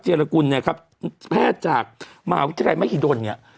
รกุลเนี่ยครับแพทย์จากมหาวิทยาลัยมหิดลเนี่ย